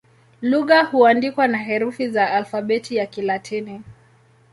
Lugha huandikwa na herufi za Alfabeti ya Kilatini.